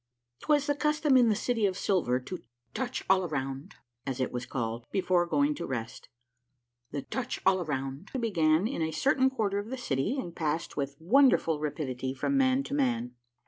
'Twas the custom in the City of Silver to "touch all around," as it was called, before going to rest. The " touch all around " began in a certain quarter of the city and passed with wonder ful rapidity from man to man.